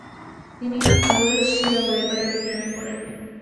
তিনি আলোয়সিয়া ওয়েবারের প্রেমে পড়েন।